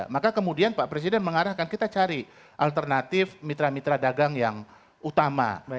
maka kemudian pak presiden mengarahkan kita cari alternatif mitra mitra dagang yang utama